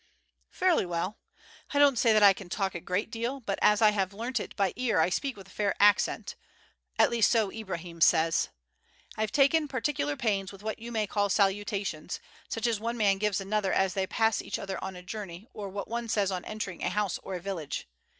"Fairly well. I don't say that I can talk a great deal, but as I have learnt it by ear I speak with a fair accent, at least so Ibrahim says. I have taken particular pains with what you may call salutations, such as one man gives another as they pass each other on a journey, or what one says on entering a house or a village.